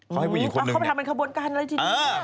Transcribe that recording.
เขาให้ผู้หญิงคนหนึ่งเนี่ย